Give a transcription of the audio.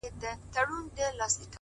د عمل دوام بریا نږدې کوي!